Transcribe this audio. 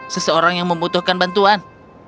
seseorang yang membutuhkan bantuan